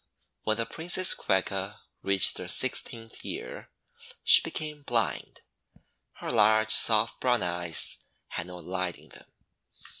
when the Prin cess Coeca reached her sixteenth year, she became blind. Her large, soft brown eyes had no light in them.